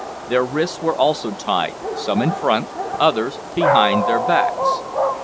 Their wrists were also tied, some in front, others behind their backs.